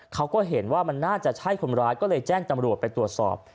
เขาก็เห็นว่ามันน่าจะใช่คนร้ายก็เลยแจ้งตำรวจไปตรวจสอบ